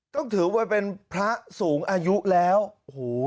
ต้องถือว่าเป็นพระสูงอายุแล้วโอ้โห